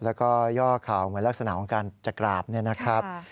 แล้วก็ย่อข่าวเหมือนลักษณะของการจะกราบเนี่ยนะครับ